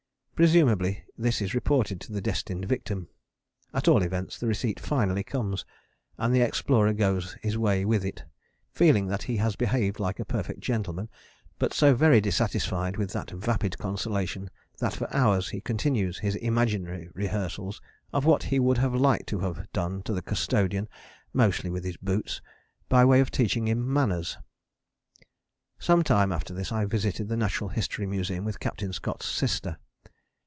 Presumably this is reported to the destined victim: at all events the receipt finally comes; and the Explorer goes his way with it, feeling that he has behaved like a perfect gentleman, but so very dissatisfied with that vapid consolation that for hours he continues his imaginary rehearsals of what he would have liked to have done to that Custodian (mostly with his boots) by way of teaching him manners. Some time after this I visited the Natural History Museum with Captain Scott's sister.